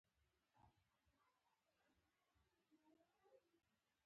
د ناخالصو مادو په اضافه کولو سره بدلون مومي.